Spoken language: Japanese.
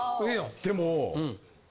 でも。